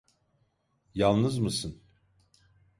Yalnız mısın?